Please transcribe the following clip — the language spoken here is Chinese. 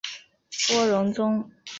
郭荣宗。